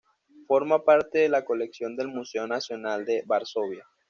Forma parte de la colección del Museo Nacional de Varsovia.